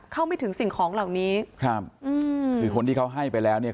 เข้าไม่ถึงสิ่งของเหล่านี้ครับอืมคือคนที่เขาให้ไปแล้วเนี่ย